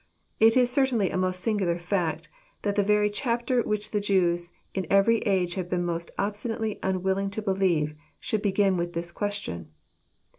It is cer tainly a most singular fact, that the very chapter which the Jews in every age have been most obstinately unwilling to believe, should begin with this question.